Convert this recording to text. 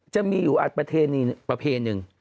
จะมีอยู่ประเทศนี้ประเภทหนึ่ง